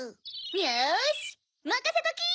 よしまかせとき！